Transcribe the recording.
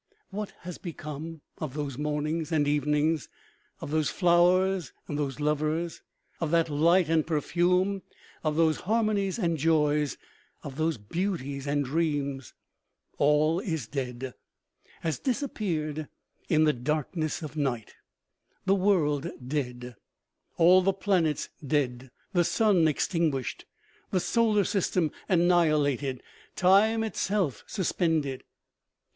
What has become of those mornings and evenings, of those flowers and those lovers, of that light and perfume, of those har monies and joys, of those beauties and dreams? All is dead, has disappeared in the darkness of night. The world dead, all the planets dead, the sun extin guished. The solar system annihilated, time itself sus pended.